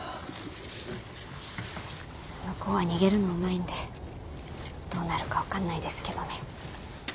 向こうは逃げるのうまいんでどうなるか分かんないですけどね。